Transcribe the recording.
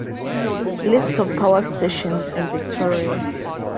List of power stations in Victoria